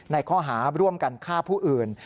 ในข้อหาร่วมกันฆ่าผู้อื่น